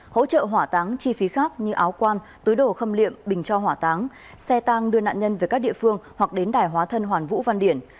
hỗ trợ hỏa táng chi phí khác như áo quan túi đồ khâm liệm bình cho hỏa táng xe tang đưa nạn nhân về các địa phương hoặc đến đài hóa thân hoàn vũ văn điển